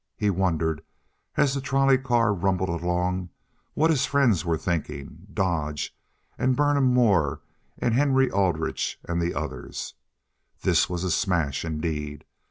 He wondered, as the trolley car rumbled along, what his friends were thinking—Dodge, and Burnham Moore, and Henry Aldrich, and the others. This was a smash, indeed.